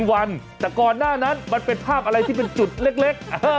วันแต่ก่อนหน้านั้นมันเป็นภาพอะไรที่เป็นจุดเล็ก